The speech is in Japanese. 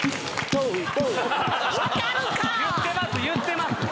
言ってます！